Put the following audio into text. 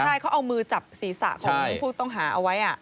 ใช่เขาเอามือจับศีรษะของผู้ต้องหาเอาไว้